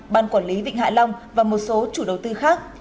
ban quản lý vịnh hạ long và một số chủ đầu tư khác